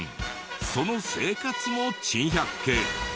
その生活も珍百景。